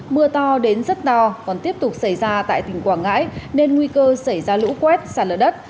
mưa to đến rất to còn tiếp tục xảy ra tại tỉnh quảng ngãi nên nguy cơ xảy ra lũ quét sạt lở đất